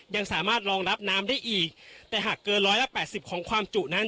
ยังสามารถรองรับน้ำได้อีกแต่หากเกินร้อยละแปดสิบของความจุนั้น